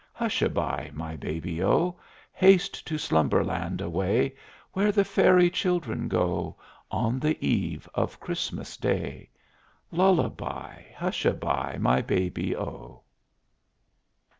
Hush a by, my Baby O. Haste to Slumberland away, Where the Fairy children go On the Eve of Christmas Day. Lull a by! Hush a by, my Baby O.